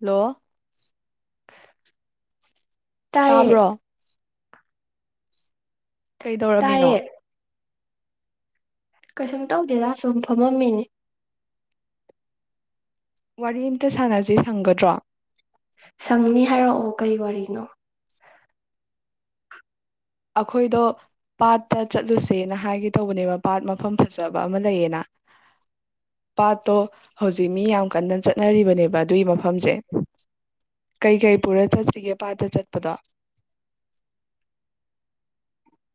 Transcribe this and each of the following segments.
ꯂꯣ ꯇꯥꯏꯌꯦ ꯇꯥꯕ꯭ꯔꯣ ꯀꯩꯗꯧꯔꯝꯃꯤꯅꯣ ꯇꯥꯏꯌꯦ ꯀꯩꯁꯨꯝ ꯇꯧꯗꯦꯗꯥ ꯁꯨꯝ ꯐꯝꯃꯝꯃꯤꯅꯤ ꯋꯥꯔꯤ ꯑꯝꯇ ꯁꯥꯟꯅꯁꯤ ꯁꯪꯒꯗ꯭ꯔꯣ ꯁꯪꯅꯤ ꯍꯥꯏꯔꯛꯑꯣ ꯀꯩ ꯋꯥꯔꯤꯅꯣ ꯑꯩꯈꯣꯏꯗꫭ ꯄꯥꯠꯇ ꯆꯠꯂꯨꯁꯦꯅ ꯍꯥꯏꯒꯦ ꯇꯧꯕꯅꯦꯕ ꯄꯥꯠ ꯃꯐꯝ ꯐꯖꯕ ꯑꯃ ꯂꯩꯌꯦꯅ ꯄꯥꯠꯇꯣ ꯍꯧꯖꯤꯛ ꯃꯤ ꯌꯥꯝ ꯀꯟꯅ ꯆꯠꯅꯔꯤꯕꯅꯦꯕ ꯑꯗꯨꯏ ꯃꯐꯝꯁꯦ ꯀꯩꯀꯩ ꯄꯨꯔ ꯆꯠꯁꯤꯒꯦ ꯄꯥꯠꯇ ꯆꯠꯄꯗꯣ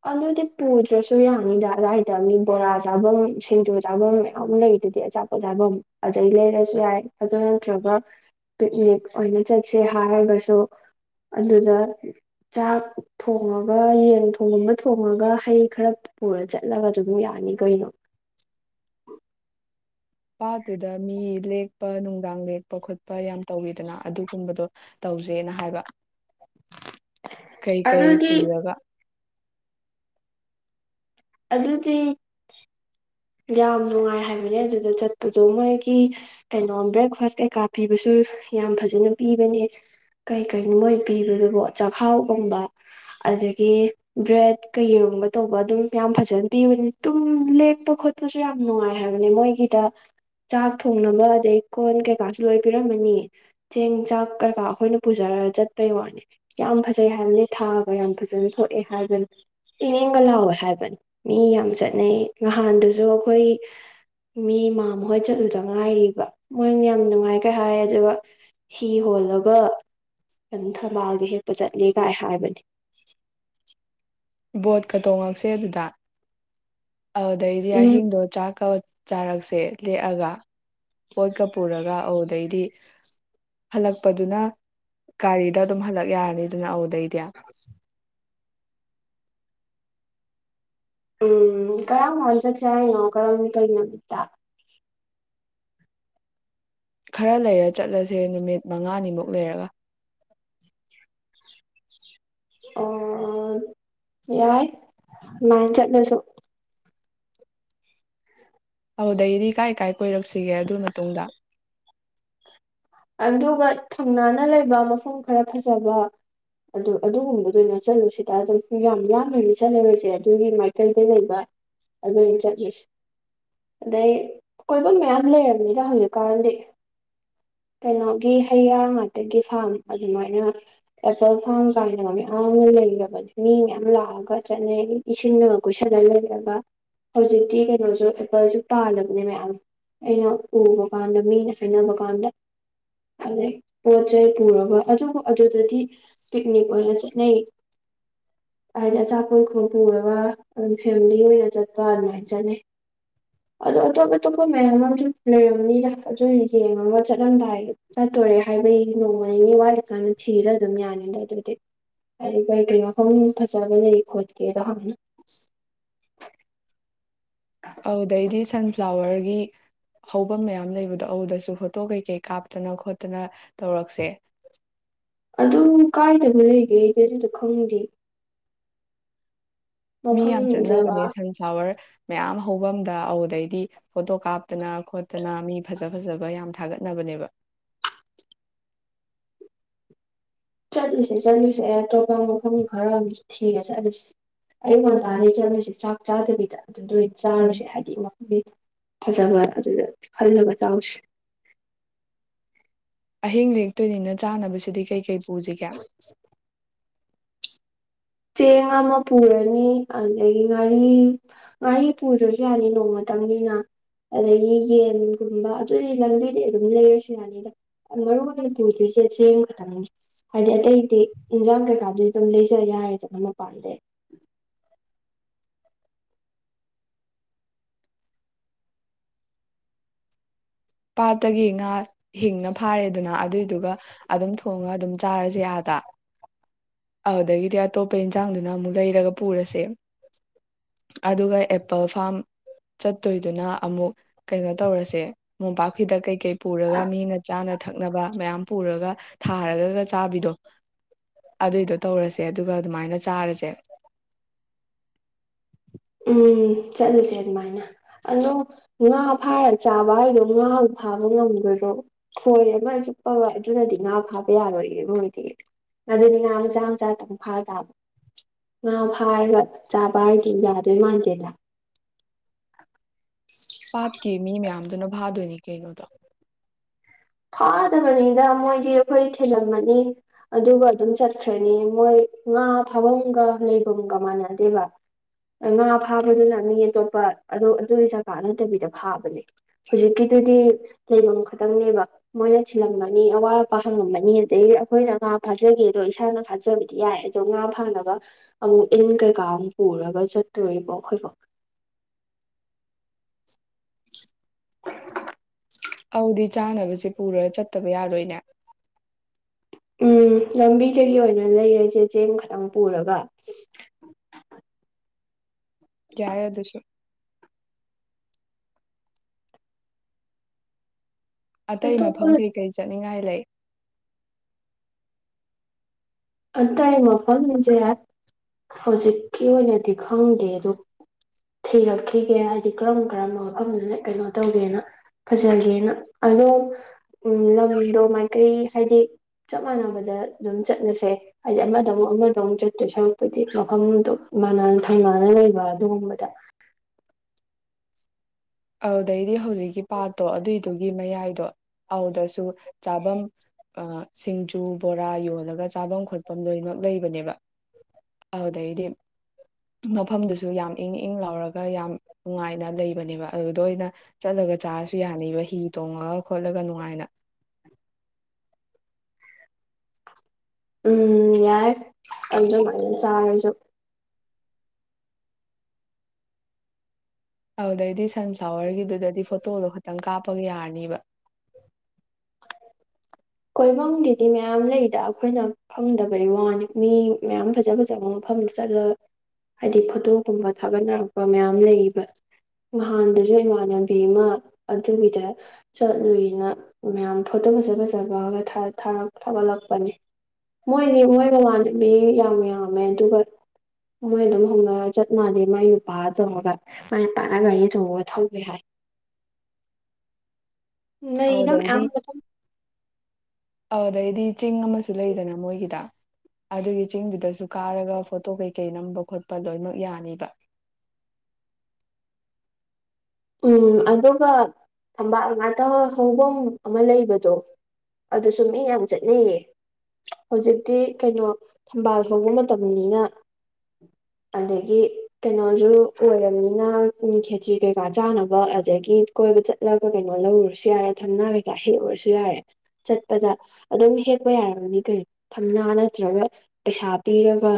ꯑꯗꯨꯗꯤ ꯄꯨꯗ꯭ꯔꯁꯨ ꯌꯥꯅꯤꯗ ꯑꯗꯥꯏꯗ ꯃꯤ ꯕꯣꯔꯥ ꯆꯥꯕꯝ ꯁꯤꯡꯖꯨ ꯆꯥꯕꯝ ꯃꯌꯥꯝ ꯂꯩꯗꯨꯗꯤ ꯑꯆꯥ ꯑꯣꯖꯥꯕ ꯑꯗꯩ ꯂꯩꯔꯁꯨ ꯌꯥꯏ ꯑꯗꯨ ꯅꯠꯇ꯭ꯔꯒ ꯄꯤꯛꯅꯤꯛ ꯑꯣꯏꯅ ꯆꯠꯁꯦ ꯍꯥꯏꯔꯒꯁꯨ ꯑꯗꯨꯗ ꯆꯥꯛ ꯊꯣꯡꯉꯒ ꯌꯦꯟ ꯊꯣꯡꯕ ꯊꯣꯡꯉꯒ ꯍꯩ ꯈꯔ ꯄꯨꯔ ꯆꯠꯂꯒ ꯑꯗꯨꯝ ꯌꯥꯅꯤ ꯀꯩꯅꯣ ꯄꯥꯠꯇꯨꯗ ꯃꯤ ꯂꯦꯛꯄ ꯅꯨꯡꯗꯥꯡ ꯂꯦꯛꯄ ꯈꯣꯠꯄ ꯌꯥꯝ ꯇꯧꯋꯤꯗꯅ ꯑꯗꯨꯒꯨꯝꯕꯗꯣ ꯇꯧꯖꯦꯅ ꯍꯥꯏꯕ ꯀꯩꯀꯩ ꯑꯗꯨꯗꯤ ꯄꯨꯔꯒ ꯑꯗꯨꯗꯤ ꯌꯥꯝ ꯅꯨꯡꯉꯥꯏ ꯍꯥꯏꯕꯅꯦ ꯑꯗꯨꯗ ꯆꯠꯄꯗꯣ ꯃꯣꯏꯒꯤ ꯀꯩꯅꯣ ꯕ꯭ꯔꯦꯛꯐꯥꯁ ꯀꯩꯀꯥ ꯄꯤꯕꯁꯨ ꯌꯥꯝ ꯐꯖꯅ ꯄꯤꯕꯅꯦ ꯀꯩ ꯀꯩꯅꯣ ꯃꯣꯏ ꯄꯤꯕꯗꯨꯕꯣ ꯆꯈꯥꯎꯒꯨꯝꯕ ꯑꯗꯒꯤ ꯕ꯭ꯔꯦꯗ ꯀꯩ ꯌꯦꯔꯨꯝꯕ ꯇꯧꯕ ꯑꯗꯨꯝ ꯌꯥꯝ ꯐꯖꯅ ꯄꯤꯕꯅꯤ ꯇꯨꯝ ꯂꯦꯛꯄ ꯈꯣꯠ ꯑꯗꯨꯨꯁꯨ ꯌꯥꯝ ꯅꯨꯡꯉꯥꯏ ꯍꯥꯏꯕꯅꯦ ꯃꯣꯏꯒꯤꯗ ꯆꯥꯛ ꯊꯣꯡꯅꯕ ꯑꯗꯩ ꯀꯣꯟ ꯀꯩꯀꯥꯁꯨ ꯂꯣꯏ ꯄꯤꯔꯝꯃꯅꯤ ꯆꯦꯡ ꯆꯥꯛ ꯀꯩꯀꯥ ꯑꯩꯈꯣꯏꯅ ꯄꯨꯖꯔꯒ ꯆꯠꯄꯩ ꯋꯥꯅꯤ ꯌꯥꯝ ꯐꯖꯩ ꯍꯥꯏꯕꯅꯦ ꯊꯥꯒ ꯌꯥꯝ ꯐꯖꯅ ꯊꯣꯛꯑꯦ ꯍꯥꯏꯕꯅꯤ ꯏꯪ ꯏꯪꯒ ꯂꯥꯎꯋꯦ ꯍꯥꯏꯕꯅꯤ ꯃꯤ ꯌꯥꯝ ꯆꯠꯅꯩ ꯅꯍꯥꯟꯗꯨꯁꯨ ꯑꯩꯈꯣꯏ ꯃꯤ ꯃꯥꯝꯃꯍꯣꯏ ꯆꯠꯂꯨꯗ ꯉꯥꯏꯔꯤꯕ ꯃꯣꯏꯅ ꯌꯥꯝ ꯅꯨꯡꯉꯥꯏ ꯀꯩ ꯍꯥꯏ ꯑꯗꯨꯒ ꯍꯤ ꯍꯣꯜꯂꯒ ꯑꯗꯨꯝ ꯊꯝꯕꯥꯜꯒꯤ ꯍꯦꯛꯄ ꯆꯠꯂꯦ ꯀꯥꯏ ꯍꯥꯏꯕꯅꯤ ꯕꯣꯠꯀ ꯇꯣꯡꯉꯛꯁꯦ ꯑꯗꯨꯗ ꯑꯗꯨꯗꯩꯗꯤ ꯎꯝ ꯑꯍꯤꯡꯗꯣ ꯆꯥꯛꯀ ꯆꯥꯔꯛꯁꯦ ꯂꯦꯛꯑꯒ ꯄꯣꯠꯀ ꯄꯨꯔꯒ ꯑꯗꯨꯗꯩꯗꯤ ꯍꯜꯂꯛꯄꯗꯨꯅ ꯒꯥꯔꯤꯗ ꯑꯗꯨꯝ ꯍꯜꯂꯛ ꯌꯥꯔꯦꯗꯅ ꯑꯗꯨꯗꯩꯗꯤ [inaudible] ꯎꯝ ꯀꯔꯝ ꯀꯥꯟ ꯆꯠꯁꯦ ꯍꯥꯏꯅꯣ ꯀꯔꯝ ꯀꯩ ꯅꯨꯃꯤꯠꯇ ꯈꯔ ꯂꯩꯔ ꯆꯠꯂꯁꯦ ꯅꯨꯃꯤꯠ ꯃꯉꯥꯅꯤꯃꯨꯛ ꯂꯩꯔꯒ ꯑꯣ ꯌꯥꯏ ꯂꯥꯏꯟ ꯆꯠꯂꯁꯨ ꯑꯗꯨꯗꯩꯗꯤ ꯀꯥꯏ ꯀꯥꯏ ꯀꯣꯏꯔꯛꯁꯤꯒꯦ ꯑꯗꯨꯏ ꯃꯇꯨꯡꯗ ꯑꯗꯨꯒ ꯊꯪꯅꯅ ꯂꯩꯕ ꯃꯐꯝ ꯈꯔ ꯐꯖꯕ ꯑꯗꯨ ꯑꯗꯨꯒꯨꯝꯕꯗ ꯑꯣꯏꯅ ꯆꯠꯂꯨ ꯁꯤꯗ ꯑꯗꯨꯝ ꯌꯥꯝ ꯂꯥꯞꯅꯗꯤ ꯆꯠꯂꯔꯣꯏꯁꯦ ꯑꯗꯨꯒꯤ ꯃꯥꯏꯀꯩꯗ ꯂꯩꯕ ꯑꯗꯨꯅꯤ ꯆꯠꯂꯨꯁꯦ ꯑꯗꯩ ꯀꯣꯏꯕꯝ ꯃꯌꯥꯝ ꯂꯩꯔꯝꯅꯤꯗ ꯍꯧꯖꯤꯛꯀꯥꯟꯗꯤ ꯀꯩꯅꯣꯒꯤ ꯍꯩꯔꯥ ꯉꯥꯛꯇꯒꯤ ꯐꯥꯔꯝ ꯑꯗꯨꯃꯥꯏꯅ ꯑꯦꯄꯜ ꯐꯥꯔꯝ ꯀꯥꯏꯅ ꯃꯌꯥꯝ ꯑꯃ ꯂꯩꯔꯕꯅꯤ ꯃꯤ ꯃꯌꯥꯝ ꯂꯥꯛꯑꯒ ꯆꯠꯅꯩ ꯏꯁꯤꯡꯅꯒ ꯀꯣꯏꯁꯂ ꯂꯩꯔꯒ ꯍꯧꯖꯤꯛꯇꯤ ꯀꯩꯅꯣꯁꯨ ꯑꯦꯄꯜꯁꯨ ꯄꯥꯜꯂꯕꯅꯦ ꯃꯌꯥꯝ ꯑꯩꯅ ꯎꯕ ꯀꯥꯟꯗ ꯃꯤꯅ ꯍꯥꯏꯅꯕ ꯀꯥꯟꯗ ꯑꯗꯩ ꯄꯣꯠ ꯆꯩ ꯄꯨꯔꯒ ꯑꯗꯨꯕꯨ ꯑꯗꯨꯗꯗꯤ ꯄꯤꯛꯅꯤꯛ ꯑꯣꯏꯅ ꯆꯠꯅꯩ ꯍꯥꯏꯗꯤ ꯑꯆꯥꯄꯣ ꯏꯈꯣꯡ ꯄꯨꯔꯒ ꯑꯗꯨ ꯐꯦꯃꯤꯂꯤ ꯑꯣꯏꯅ ꯆꯠꯄ ꯑꯗꯨꯃꯥꯏꯅ ꯆꯠꯅꯩ ꯑꯗꯣ ꯑꯇꯣꯞ ꯑꯇꯣꯞꯄ ꯃꯌꯥꯝ ꯑꯃꯁꯨ ꯂꯩꯔꯝꯅꯤꯔ ꯑꯗꯨ ꯌꯦꯡꯉꯒ ꯆꯠꯂ ꯆꯠꯔꯂꯝꯗꯥꯏ ꯆꯠꯇꯣꯔꯦ ꯍꯥꯏꯕꯒꯤ ꯅꯣꯡꯃꯅꯤꯅꯤ ꯋꯥꯠꯂꯤꯀꯥꯟꯗ ꯊꯤꯔ ꯑꯗꯨꯝ ꯌꯥꯅꯤꯗ ꯑꯗꯨꯗꯤ ꯍꯥꯏꯗꯤ ꯀꯩ ꯀꯔꯤ ꯃꯐꯝ ꯐꯖꯕ ꯂꯩ ꯈꯣꯠꯀꯦꯗꯣ ꯍꯥꯟꯅ ꯑꯗꯨꯗꯩꯗꯤ ꯁꯟꯐ꯭ꯂꯥꯋꯔꯒꯤ ꯍꯧꯕꯝ ꯃꯌꯥꯝ ꯂꯩꯕꯗꯣ ꯑꯗꯨꯗꯁꯨ ꯐꯣꯇꯣ ꯀꯩꯀꯩ ꯀꯥꯞꯇꯅ ꯈꯣꯠꯇꯅ ꯇꯧꯔꯛꯁꯦ ꯑꯗꯨ ꯀꯥꯏꯗꯅꯣ ꯂꯩꯒꯦꯗꯤ ꯑꯗꯨꯗꯣ ꯈꯪꯗꯦ ꯃꯤ ꯃꯐꯝ ꯌꯥꯝ ꯖꯒꯥ ꯆꯠꯅꯕꯅꯦ ꯁꯟꯐ꯭ꯂꯥꯋꯔ ꯃꯌꯥꯝ ꯍꯧꯕꯝꯗ ꯑꯗꯨꯗꯩꯗꯤ ꯐꯣꯇꯣ ꯀꯥꯞꯇꯅ ꯈꯣꯠꯇꯅ ꯃꯤ ꯐꯖ ꯐꯖꯕ ꯌꯥꯝ ꯊꯥꯒꯠꯅꯕꯅꯦꯕ ꯆꯠꯂꯨꯁꯤ ꯆꯠꯂꯨꯁꯦ ꯑꯇꯣꯞꯄ ꯃꯐꯝ ꯈꯔ ꯑꯃꯁꯨ ꯊꯤꯔ ꯆꯠꯂꯨꯁꯤ ꯑꯌꯨꯛ ꯉꯟꯇꯥꯅꯤ ꯆꯠꯂꯁꯤ ꯆꯥꯛ ꯆꯥꯗꯕꯤꯗ ꯑꯗꯨꯗ ꯑꯣꯏ ꯎꯝ ꯆꯥꯔꯨꯁꯦ ꯍꯥꯏꯗꯤ ꯃꯐꯝ ꯐꯖꯕ ꯑꯗꯨꯗ ꯈꯜꯂꯒ ꯆꯥꯔꯨꯁꯦ ꯑꯍꯤꯡ ꯂꯦꯛꯇꯣꯏꯅꯤꯅ ꯆꯥꯅꯕꯁꯤꯗꯤ ꯀꯩ ꯀꯩ ꯄꯨꯁꯤꯒꯦ [inaudible] ꯆꯦꯡ ꯑꯃ ꯄꯨꯔꯅꯤ ꯑꯗꯒꯤ ꯉꯥꯔꯤ ꯉꯥꯔꯤ ꯄꯨꯗ꯭ꯔꯥꯁꯨ ꯌꯥꯅꯤ ꯅꯣꯡꯃꯇꯪꯅꯤꯅ ꯑꯩꯗꯒꯤ ꯌꯦꯟꯒꯨꯝꯕ ꯑꯗꯨꯗꯤ ꯂꯝꯕꯤꯗꯤ ꯑꯗꯨꯝ ꯂꯩꯔꯁꯨ ꯌꯥꯅꯤꯗ ꯃꯔꯨ ꯑꯣꯏꯅ ꯄꯨꯗꯣꯏꯁꯦ ꯆꯦꯡ ꯈꯥꯊꯪꯅꯤ ꯍꯥꯏꯗꯤ ꯑꯇꯩꯗꯤ ꯏꯟꯖꯥꯡ ꯀꯩꯀꯥꯗꯨꯗꯤ ꯑꯗꯨꯝ ꯂꯩꯖ ꯌꯥꯔꯦꯗꯅ ꯃꯄꯥꯟꯗꯩ ꯄꯥꯠꯇꯒꯤ ꯉꯥ ꯍꯤꯡꯅ ꯐꯥꯔꯦ ꯑꯗꯨꯅ ꯑꯗꯨꯏꯗꯨꯒ ꯑꯗꯨꯝ ꯊꯣꯡꯉ ꯑꯗꯨꯝ ꯆꯥꯔꯁꯦ ꯑꯥꯗ ꯑꯗꯨꯗꯒꯤꯗꯤ ꯑꯇꯣꯞꯄ ꯏꯟꯁꯥꯡꯗꯨꯅ ꯑꯃꯨꯛ ꯂꯩꯔꯒ ꯄꯨꯔꯁꯦ ꯑꯗꯨꯒ ꯑꯦꯄꯜ ꯐꯥꯝ ꯆꯠꯇꯣꯏꯗꯨꯅ ꯑꯃꯨꯛ ꯀꯩꯅꯣ ꯇꯧꯔꯁꯦ ꯃꯣꯝꯄꯥꯛꯐꯤꯗꯛ ꯀꯩ ꯀꯩ ꯄꯨꯔꯒ ꯃꯤꯅ ꯆꯥꯅ ꯊꯛꯅꯕ ꯃꯌꯥꯝ ꯄꯨꯔꯒ ꯊꯥꯔꯒꯒ ꯆꯥꯕꯤꯗꯣ ꯑꯗꯨꯏꯗꯣ ꯇꯧꯔꯁꯦ ꯑꯗꯨꯒ ꯑꯗꯨꯃꯥꯏꯅ ꯆꯥꯔꯁꯦ ꯎꯝ ꯆꯠꯂꯨꯁꯦ ꯑꯗꯨꯃꯥꯏꯅ ꯑꯗꯣ ꯉꯥ ꯐꯥꯔ ꯆꯥꯕ ꯍꯥꯏꯗꯣ ꯉꯥꯕꯨ ꯐꯥꯕ ꯉꯝꯒꯗ꯭ꯔꯣ ꯈꯣꯏ ꯑꯃ ꯆꯨꯞꯄꯒ ꯑꯗꯨꯅꯗꯤ ꯉꯥ ꯐꯥꯕ ꯌꯥꯔꯣꯏꯌꯦ ꯃꯣꯏꯗꯤ ꯑꯗꯨꯗꯤ ꯉꯥ ꯃꯆꯥ ꯃꯆꯥ ꯑꯗꯨꯝ ꯐꯥ ꯇꯥꯕ ꯉꯥ ꯐꯥꯔꯒ ꯆꯥꯕ ꯍꯥꯏꯁꯦ ꯌꯥꯗꯣꯏ ꯃꯥꯟꯗꯦꯗ ꯄꯥꯠꯀꯤ ꯃꯤ ꯃꯌꯥꯝꯗꯨꯅ ꯐꯥꯗꯣꯏꯅꯤ ꯀꯩꯅꯣ ꯑꯗꯣ ꯐꯥꯗꯕꯅꯤꯗ ꯃꯣꯏꯗꯤ ꯑꯈꯣꯏ ꯊꯤꯂꯝꯃꯅꯤ ꯑꯗꯨꯒ ꯑꯗꯨꯝ ꯆꯠꯈ꯭ꯔꯅꯤ ꯃꯣꯏ ꯉꯥ ꯐꯥꯕꯝꯒ ꯂꯩꯕꯝꯒ ꯃꯥꯟꯅꯗꯦꯕ ꯑ ꯉꯥ ꯐꯥꯕꯗꯨꯅ ꯃꯤ ꯑꯇꯣꯞꯄ ꯑꯗꯨ ꯑꯗꯨꯏ ꯆꯒꯥ ꯅꯠꯇꯕꯤꯗ ꯐꯥꯕꯅꯦ ꯍꯨꯖꯤꯛꯀꯤꯗꯨꯗꯤ ꯂꯩꯐꯝ ꯈꯇꯪꯅꯦꯕ ꯃꯣꯏꯅ ꯊꯤꯜꯂꯝꯃꯅꯤ ꯑꯋꯥꯠ ꯑꯄꯥ ꯍꯪꯉꯝꯃꯅꯤ ꯑꯗꯩ ꯑꯈꯣꯏꯅ ꯉꯥ ꯐꯥꯖꯒꯦ ꯗꯣ ꯏꯁꯥꯅ ꯐꯥꯖꯕꯗꯤ ꯌꯥꯏ ꯗꯣ ꯉꯥ ꯐꯥꯅꯕ ꯑꯃꯨꯛ ꯏꯟ ꯀꯩꯀꯥ ꯑꯃꯨꯛ ꯄꯨꯔꯒ ꯆꯠꯇꯣꯔꯤꯕꯣ ꯑꯈꯣꯏꯕꯣ ꯑꯧꯗꯤ ꯆꯥꯅꯕꯁꯦ ꯄꯨꯔꯒ ꯆꯠꯇꯕ ꯌꯥꯔꯣꯏꯅꯦ ꯎꯝ ꯂꯝꯕꯤꯗꯒꯤ ꯑꯣꯏꯅ ꯂꯩꯔꯁꯦ ꯆꯦꯡ ꯈꯇꯪ ꯄꯨꯔꯒ ꯌꯥꯏ ꯑꯗꯨꯁꯨ ꯑꯇꯩ ꯑꯇꯣꯞꯄ ꯃꯐꯝ ꯀꯩ ꯀꯩ ꯆꯠꯅꯤꯡꯉꯥꯏ ꯂꯩ ꯑꯇꯩ ꯃꯐꯝꯖꯦ ꯆꯦꯌꯥꯏ ꯍꯧꯖꯤꯛꯀꯤ ꯑꯣꯏꯅꯗꯤ ꯈꯪꯗꯦ ꯑꯗꯨ ꯊꯤꯔꯛꯈꯤꯒꯦ ꯍꯥꯏꯗꯤ ꯀꯔꯝ ꯀꯔꯝꯕ ꯃꯐꯝꯗꯅ ꯀꯩꯅꯣ ꯇꯧꯒꯦꯅ ꯐꯖꯒꯦꯅ ꯑꯗꯣ ꯎꯝ ꯂꯝꯗꯣ ꯃꯥꯏꯀꯩ ꯍꯥꯏꯗꯤ ꯆꯞ ꯃꯥꯟꯅꯕꯗ ꯑꯗꯨꯝ ꯆꯠꯂꯁꯦ ꯍꯥꯏꯗꯤ ꯑꯃꯗꯃꯨꯛ ꯑꯃꯗꯃꯨꯛ ꯆꯠꯇꯣꯏ ꯁꯔꯨꯛꯄꯗꯤ ꯃꯐꯝꯗꯣ ꯃꯥꯟꯅ ꯊꯩꯃꯥꯟꯅꯅ ꯂꯩꯕ ꯑꯗꯨꯒꯨꯝꯕꯗ ꯑꯧꯗꯩꯗꯤ ꯍꯧꯖꯤꯛꯀꯤ ꯄꯥꯠꯇꯣ ꯑꯗꯨꯏꯗꯨꯒꯤ ꯃꯌꯥꯏꯗꯣ ꯑꯧꯗꯁꯨ ꯆꯥꯕꯝ ꯑ ꯁꯤꯡꯖꯨ ꯕꯣꯔꯥ ꯌꯣꯜꯂꯒ ꯆꯥꯕꯝ ꯈꯣꯠꯄꯝ ꯂꯣꯏꯃꯛ ꯂꯩꯕꯅꯦꯕ ꯑꯥꯎꯗꯩꯗꯤ ꯃꯐꯝꯗꯨꯁꯨ ꯌꯥꯝ ꯏꯪ ꯏꯪ ꯂꯥꯎꯔꯒ ꯌꯥꯝ ꯅꯨꯡꯉꯥꯏꯅ ꯂꯩꯕꯅꯦꯕ ꯑꯗꯨꯗ ꯑꯣꯏꯅ ꯆꯠꯂꯒ ꯆꯥꯔꯁꯨ ꯌꯥꯅꯤꯕ ꯍꯤ ꯇꯣꯡꯉꯒ ꯈꯣꯠꯂꯒ ꯅꯨꯡꯉꯥꯏꯅ ꯎꯝ ꯌꯥꯏ ꯑꯗꯨꯗ ꯐꯖꯅ ꯆꯥꯔꯁꯨ ꯑꯗꯨꯗꯩꯗꯤ ꯁꯟꯐ꯭ꯂꯥꯋꯔꯒꯤꯗꯨꯗꯗꯤ ꯐꯣꯇꯣꯗꯣ ꯈꯇꯪ ꯀꯥꯞꯄꯒ ꯌꯥꯔꯅꯤꯕ ꯀꯣꯏꯕꯝꯒꯤꯗꯤ ꯃꯌꯥꯝ ꯂꯩꯗ ꯑꯈꯣꯏꯅ ꯈꯪꯗꯕꯩ ꯋꯥꯅꯤ ꯃꯤ ꯃꯌꯥꯝ ꯐꯖ ꯐꯖꯕ ꯃꯐꯝꯗ ꯆꯠꯂꯒ ꯍꯥꯏꯗꯤ ꯐꯣꯇꯣꯒꯨꯝꯕ ꯊꯥꯒꯠꯅꯔꯛꯄ ꯃꯌꯥꯝ ꯂꯩꯕ ꯉꯍꯥꯟꯗꯖꯨ ꯏꯃꯥꯟꯅꯕꯤ ꯑꯃ ꯑꯗꯨꯒꯤꯗ ꯆꯠꯂꯨꯏꯅ ꯃꯌꯥꯝ ꯐꯣꯇꯣ ꯐꯖ ꯐꯖꯕꯒ ꯊꯥ ꯊꯥ ꯊꯥꯒꯠꯂꯛꯄꯅꯤ ꯃꯣꯏꯗꯤ ꯃꯣꯏ ꯃꯃꯥꯟꯅꯕꯤ ꯌꯥꯝ ꯌꯥꯝꯃꯦ ꯑꯗꯨꯒ ꯃꯣꯏ ꯑꯗꯨꯝ ꯍꯧꯅꯔ ꯆꯠ ꯃꯥꯥꯟꯂꯦ ꯃꯥꯏ ꯅꯨꯄꯥ ꯇꯧꯔꯒ ꯃꯥꯏ ꯅꯨꯄꯥꯅ ꯒꯥꯔꯤ ꯑꯆꯧꯕꯒ ꯊꯧꯋꯦ ꯍꯥꯏ [inaudible] ꯂꯩꯗ ꯃꯌꯥꯝ ꯀꯣꯏꯐꯝ ꯑꯗꯩꯗꯤ ꯆꯤꯡ ꯑꯃꯁꯨ ꯂꯩꯗꯅ ꯃꯣꯏꯒꯤꯗ ꯑꯗꯨꯒꯤ ꯆꯤꯡꯗꯨꯗꯁꯨ ꯀꯥꯔꯒ ꯐꯣꯇꯣ ꯀꯩ ꯀꯩ ꯅꯝꯕ ꯈꯣꯠꯄ ꯂꯣꯏꯃꯛ ꯌꯥꯅꯤꯕ ꯎꯝ ꯑꯗꯨꯒ ꯊꯝꯕꯥꯜ ꯉꯥꯇ ꯍꯧꯕꯝ ꯑꯃ ꯂꯩꯕꯗꯣ ꯑꯗꯨꯁꯨ ꯃꯤ ꯌꯥꯝ ꯆꯠꯅꯩꯌꯦ ꯍꯧꯖꯤꯛꯇꯤ ꯀꯩꯅꯣ ꯊꯝꯕꯥꯜ ꯍꯧꯕ ꯃꯇꯝꯅꯤꯅ ꯑꯗꯒꯤ ꯀꯩꯅꯣꯖꯨ ꯑꯣꯏꯔꯝꯅꯤꯅ ꯎꯝ ꯈꯦꯆꯤ ꯀꯩ ꯀꯥ ꯆꯥꯅꯕ ꯑꯗꯒꯤ ꯀꯣꯏꯕ ꯆꯠꯂꯒ ꯀꯩꯅꯣ ꯂꯧꯔꯨꯔꯁꯨ ꯌꯥꯔꯦ ꯊꯝꯅꯥ ꯀꯩꯀꯥ ꯍꯦꯛꯎꯔꯁꯨ ꯌꯥꯔꯦ ꯆꯠꯄꯗ ꯑꯗꯨꯝ ꯍꯦꯛꯄ ꯌꯥꯔꯝꯒꯅꯤ ꯀꯩꯅ‌ꯣ ꯊꯝꯅꯥ ꯅꯠꯇ꯭ꯔꯒ ꯄꯩꯁꯥ ꯄꯤꯔꯒ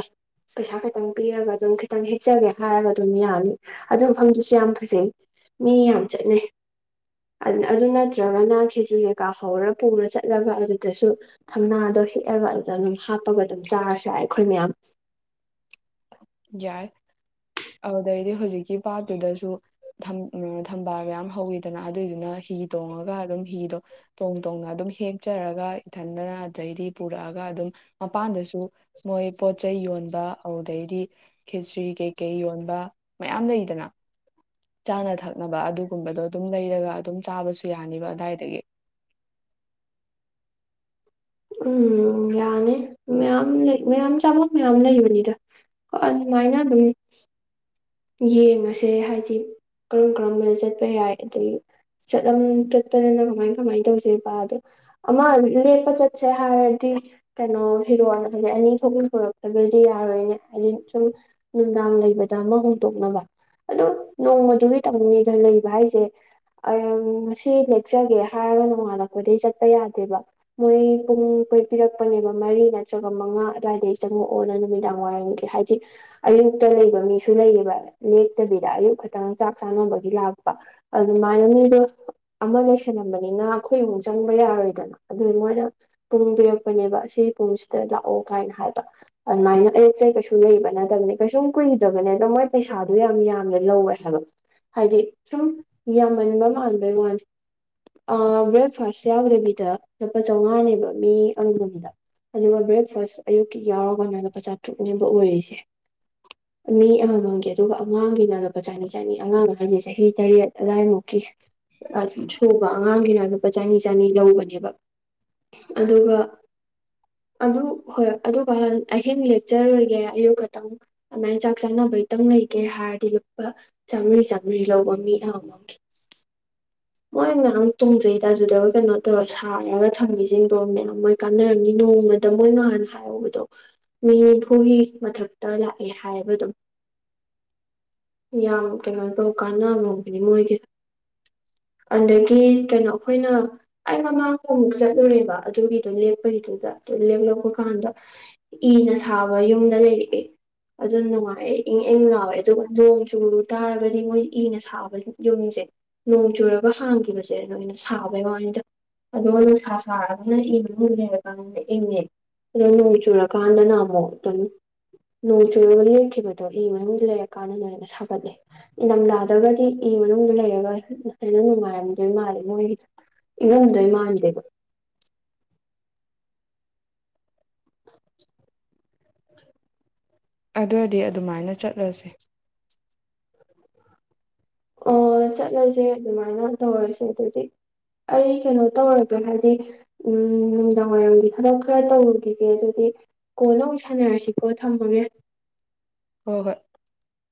ꯄꯩꯁꯥ ꯈꯤꯇꯪ ꯄꯤꯔꯒ ꯑꯗꯨꯝ ꯈꯤꯇꯪ ꯍꯦꯛꯆꯒꯦ ꯍꯥꯏꯔꯒ ꯑꯗꯨꯝ ꯌꯥꯅꯤ ꯑꯗꯨ ꯃꯐꯝꯗꯨꯁꯨ ꯌꯥꯝ ꯐꯖꯩ ꯃꯤ ꯌꯥꯝ ꯆꯠꯅꯩ ꯑꯥ ꯑꯗꯨ ꯅꯠꯇ꯭ꯔꯒꯅ ꯈꯦꯆ꯭ꯔꯤ ꯀꯩꯀꯥ ꯍꯧꯔ ꯄꯨꯔ ꯆꯠꯂꯒ ꯑꯗꯨꯗꯁꯨ ꯊꯝꯅꯥꯗꯣ ꯍ‌ꯦꯛꯑꯒ ꯑꯗꯨꯗ ꯑꯗꯨꯝ ꯍꯥꯞꯄꯒ ꯑꯗꯨꯝ ꯆꯥꯔꯁꯨ ꯌꯥꯏ ꯑꯩꯈꯣꯏ ꯃꯌꯥꯝ ꯌꯥꯏ ꯑꯗꯨꯗꯩꯗꯤ ꯍꯧꯖꯤꯛꯀꯤ ꯄꯥꯠꯇꯨꯗꯁꯨ ꯊꯝ ꯎꯝ ꯊꯝꯕꯥꯜ ꯃꯌꯥꯝ ꯍꯧꯋꯤꯗꯅ ꯑꯗꯨꯏꯗꯨꯅ ꯍꯤ ꯇꯣꯡꯉꯒ ꯑꯗꯨꯝ ꯍꯤꯗꯣ ꯇꯣꯡ ꯇꯣꯡꯅ ꯑꯗꯨꯝ ꯍꯦꯛꯆꯔꯒ ꯏꯊꯟꯗꯅ ꯑꯗꯩꯗꯤ ꯄꯨꯔꯛꯑꯒ ꯑꯗꯨꯝ ꯃꯄꯥꯟꯗꯁꯨ ꯃꯣꯏ ꯄꯣꯠꯆꯩ ꯌꯣꯟꯕ ꯑꯗꯨꯗꯩꯗꯤ ꯈꯦꯆ꯭ꯔꯤ ꯀꯩꯀꯩ ꯌꯣꯟꯕ ꯃꯌꯥꯝ ꯂꯩꯗꯅ ꯆꯥꯅ ꯊꯛꯅꯕ ꯑꯗꯨꯒꯨꯝꯕꯗꯣ ꯑꯗꯨꯝ ꯂꯩꯔꯒ ꯑꯗꯨꯝ ꯆꯥꯕꯁꯨ ꯌꯥꯅꯤꯕ ꯑꯗꯥꯏꯗꯒꯤ ꯎꯝ ꯌꯥꯅꯤ ꯃꯌꯥꯝ ꯂꯩ ꯃꯌꯥꯝ ꯆꯥꯐꯝ ꯃꯌꯥꯝ ꯂꯩꯕꯅꯤꯗ ꯑꯗꯨꯃꯥꯏꯅ ꯑꯗꯨꯝ ꯌꯦꯡꯉꯁꯦ ꯍꯥꯏꯗꯤ ꯀꯔꯝ ꯀꯔꯝꯕꯗ ꯆꯠꯄ ꯌꯥꯏ ꯑꯗꯒꯤ ꯆꯠꯂꯝ ꯆꯠꯄꯗꯅ ꯀꯃꯥꯏ ꯀꯃꯥꯏꯅ ꯇꯧꯁ‌ꯦꯕ ꯑꯗꯣ ꯑꯃ ꯂꯦꯛꯄ ꯆꯠꯁ‌ꯦ ꯍꯥꯏꯔꯗꯤ ꯀꯩꯅꯣ ꯐꯤꯔꯣꯟ ꯍꯥꯏ ꯑꯅꯤ ꯊꯣꯛ ꯄꯨꯔꯛꯇꯕꯗꯤ ꯌꯥꯔꯣꯏꯅꯦ ꯍꯥꯏꯗꯤ ꯁꯨꯝ ꯅꯨꯡꯗꯥꯡ ꯂꯩꯕꯗ ꯑꯃ ꯇꯣꯛꯅꯕ ꯑꯗꯣ ꯅꯣꯡꯃꯗꯨꯒꯤ ꯇꯝꯃꯅꯤꯗ ꯂꯩꯕ ꯍꯥꯏꯁꯦ ꯉꯁꯤ ꯂꯦꯛꯆꯒꯦ ꯍꯥꯏꯔꯒ ꯅꯣꯡꯉꯥꯜꯂꯛꯄꯗꯩ ꯆꯠꯄ ꯌꯥꯗꯦꯕ ꯃꯣꯏ ꯄꯨꯡ ꯀꯣꯏ ꯄꯤꯔꯛꯄꯅꯦꯕ ꯃꯔꯤ ꯅꯠꯇ꯭ꯔꯒ ꯃꯉꯥ ꯑꯗꯨꯋꯥꯏꯗꯗꯒꯤ ꯆꯪꯉꯛꯑꯣꯅ ꯅꯨꯃꯤꯗꯥꯡ ꯋꯥꯏꯔꯝꯒꯤ ꯍꯥꯏꯗꯤ ꯑꯌꯨꯛꯇ ꯂꯩꯕ ꯃꯤꯁꯨ ꯂꯩꯌꯦꯕ ꯂꯦꯛꯇꯕꯤꯗ ꯑꯌꯨꯛ ꯈꯛꯇꯪ ꯆꯥꯛ ꯆꯥꯅꯕꯒꯤ ꯂꯥꯛꯄ ꯑꯗꯨꯃꯥꯏꯅ ꯃꯤꯗꯣ ꯑꯃ ꯂꯩꯁꯜꯂꯝꯕꯅꯤꯅ ꯑꯩꯈꯣꯏꯃꯨꯛ ꯆꯪꯕ ꯌꯥꯔꯣꯏꯗꯅ ꯑꯗꯨꯗ ꯃꯣꯏꯅ ꯄꯨꯡ ꯄꯤꯔꯛꯄꯅꯦꯕꯥ ꯑꯁꯤ ꯄꯨꯡꯁꯤꯗ ꯂꯥꯛꯑꯣ ꯀꯥꯏꯅ ꯍꯥꯏꯕ ꯑꯗꯨꯃꯥꯏꯅ ꯑꯌꯨꯛꯇꯥ ꯀꯩꯁꯨ ꯂꯩꯕ ꯅꯠꯇꯕꯅꯦ ꯀꯩꯁꯨꯝ ꯀꯨꯏꯗꯕꯅꯦ ꯑꯗꯨꯝ ꯃ‌ꯣꯏ ꯄꯩꯁꯥꯗꯣ ꯌꯥꯝ ꯌꯥꯝꯅ ꯂꯧꯋꯦ ꯍꯥꯏꯕ ꯍꯥꯏꯗꯤ ꯁꯨꯝ ꯌꯥꯝꯃꯟꯕ ꯃꯥꯟꯕꯩ ꯃꯥꯟꯕꯩ ꯋꯥꯅ‌ꯦ ꯕ꯭ꯔꯦꯛꯐꯥꯁ ꯌꯥꯎꯗꯕꯤꯗ ꯂꯨꯄꯥ ꯆꯧꯉꯥ ꯅꯦꯕ ꯃꯤ ꯑꯃ ꯃꯝꯗ ꯑꯗꯨꯒ ꯕ꯭ꯔꯦꯛꯐꯥꯁ ꯑꯌꯨꯛꯀꯤ ꯌꯥꯎꯔꯒꯅ ꯂꯨꯄꯥ ꯆꯥꯇ꯭ꯔꯨꯛꯅꯦꯕ ꯑꯣꯏꯔꯤꯁꯦ ꯃꯤ ꯑꯃ ꯃꯝꯒꯤ ꯑꯗꯨꯒ ꯑꯉꯥꯡꯒꯤꯅ ꯂꯨꯄꯥ ꯆꯥꯅꯤ ꯆꯥꯅꯤ ꯑꯉꯥꯡ ꯍꯥꯏꯖꯦ ꯆꯍꯤ ꯇꯔꯦꯠ ꯑꯗꯥꯏꯃꯨꯛꯀꯤ ꯑꯥꯏ ꯁꯨꯕ ꯑꯉꯥꯡꯒꯤꯅ ꯂꯨꯄꯥ ꯆꯅꯤ ꯆꯅꯤ ꯂꯧꯕꯅꯦꯕ ꯑꯗꯨꯒ ꯑꯗꯨ ꯍꯣꯏ ꯑꯗꯨꯒ ꯑꯍꯤꯡ ꯂꯦꯛꯆꯔꯣꯏꯒꯦ ꯑꯌꯨꯛ ꯈꯛꯇꯪ ꯑꯗꯨꯃꯥꯏꯅ ꯆꯥꯛ ꯆꯥꯅꯕꯒꯤꯇꯪ ꯂꯩꯒꯦ ꯍꯥꯏꯔꯗꯤ ꯂꯨꯄꯥ ꯆꯥꯝꯃꯔꯤ ꯆꯥꯝꯃꯔꯤ ꯂꯧꯕ ꯃꯤ ꯑꯃꯃ ꯃꯣꯏ ꯃꯌꯥꯝ ꯇ‌ꯣꯡꯖꯩ ꯑꯥꯗꯨꯗꯒ ꯀꯩꯅꯣ ꯇꯧꯔ ꯁꯥꯔꯒ ꯊꯝꯃꯤꯁꯤꯡꯗꯣ ꯃꯌꯥꯝ ꯃꯣꯏ ꯀꯥꯟꯅꯔꯝꯅꯤ ꯅꯣꯡꯃꯗ ꯃꯣꯏ ꯉꯍꯥꯟ ꯍꯥꯏꯍꯧꯕꯗꯣ ꯃꯤ ꯅꯤꯐꯨꯒꯤ ꯃꯊꯛꯇ ꯂꯥꯛꯑꯦ ꯍꯥꯏꯕ ꯑꯗꯨꯝ ꯌꯥꯝ ꯀꯩꯅꯣ ꯇꯧ ꯀꯥꯟꯅꯒꯅꯤ ꯃꯣꯏꯒꯤ ꯑꯗꯒꯤ ꯀꯩꯅꯣ ꯑꯩꯈꯣꯏꯅ ꯑꯩ ꯃꯃꯥꯡꯒꯃꯨꯛ ꯆꯠꯂꯨꯔꯦꯕ ꯑꯗꯨꯒꯤꯗꯣ ꯂꯦꯞꯄꯒꯤꯗꯨꯗ ꯑꯗꯨ ꯂꯦꯛꯂꯛꯄ ꯀꯥꯟꯗ ꯏꯅ ꯁꯥꯕ ꯌꯨꯝꯗ ꯂꯩꯔꯛꯑꯦ ꯑꯗꯨ ꯅꯨꯡꯉꯥꯏꯦ ꯏꯪ ꯏꯪ ꯂꯥꯎꯋꯦ ꯑꯗꯨꯒ ꯅꯣꯡ ꯆꯨꯨꯔꯨ ꯇꯥꯔꯒꯗꯤ ꯃꯣꯏ ꯏꯅ ꯁꯥꯕ ꯁꯥꯕ ꯌꯨꯝꯁꯦ ꯅꯣꯡ ꯆꯨꯔꯒ ꯍꯥꯡꯈꯤꯕꯁꯦ ꯅꯣꯏꯅ ꯁꯥꯕꯩ ꯋꯥꯅꯤꯗ ꯑꯗꯨꯒ ꯅꯨꯡꯁꯥ ꯁꯥꯔꯒꯅ ꯏ ꯃꯅꯨꯡꯗ ꯂꯩꯔꯀꯥꯟꯗ ꯏꯪꯉ‌ꯦ ꯑꯗꯨꯝ ꯅꯣꯡ ꯆꯨꯔꯀꯥꯟꯗꯅ ꯑꯃꯨꯛ ꯑꯗꯨꯝ ꯅꯣꯡ ꯆꯨꯨꯔꯒ ꯂꯦꯞꯈꯤꯕꯗꯣ ꯏ ꯃꯅꯨꯡꯗ ꯂꯩꯔ ꯀꯥꯟꯗꯥꯅ ꯍꯦꯟꯅ ꯁꯥꯒꯠꯂꯦ ꯏꯪꯗꯝꯗꯥꯥꯗꯒꯗꯤ ꯏ ꯃꯅꯨꯡꯗ ꯂꯩꯔꯒ ꯍꯦꯟꯅ ꯅꯨꯡꯉꯥꯏꯔꯝꯗꯣꯏ ꯃꯥꯜꯂꯦ ꯃꯣꯏꯒꯤꯗꯣ ꯏꯪꯉꯝꯗꯣꯏ ꯃꯥꯟꯗꯦꯕ ꯑꯗꯨꯏꯗꯤ ꯑꯗꯨꯃꯥꯏꯅ ꯆꯠꯂꯁꯦ ꯑꯣ ꯆꯠꯂꯁꯦ ꯑꯗꯨꯃꯥꯏꯅ ꯇꯧꯔꯁꯦ ꯑꯗꯨꯗꯤ ꯑꯩ ꯀꯩꯅꯣ ꯇꯧꯔꯒꯦ ꯍꯥꯏꯗꯤ ꯎꯝ ꯅꯨꯡꯗꯥꯡꯋꯥꯏꯔꯝꯒꯤ ꯊꯕꯛ ꯈꯔ ꯇꯧꯔꯨꯈꯤꯒꯦ ꯑꯗꯨꯗꯤ ꯀꯣꯟꯅꯥ ꯑꯃꯨꯛ ꯁꯥꯟꯅꯔꯁꯤꯀꯣ ꯊꯝꯃꯒꯦ ꯍꯣꯏ ꯍꯣꯏ